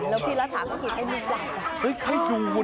แล้วพี่รัซหาก็ทีล์ให้มึงออกจาก